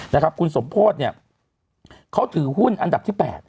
นะครับคุณสมโพธิเนี่ยเขาถือหุ้นอันดับที่๘